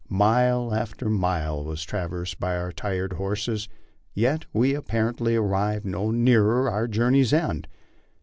Mite after mile was traversed by our tired horses, yet we apparently arrived no nearer our journey's end.